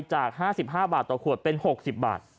จาก๕๕บาทต่อขวดเป็น๖๐บาท